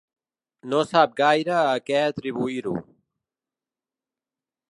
No sap gaire a què atribuir-ho.